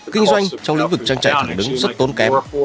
kinh doanh trong lĩnh vực trang trại thẳng đứng rất tốn kém